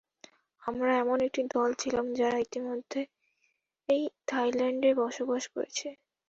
আমরা এমন একটি দল ছিলাম যারা ইতিমধ্যেই থাইল্যান্ডে বসবাস করছে।